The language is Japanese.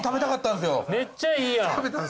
めっちゃいいやん。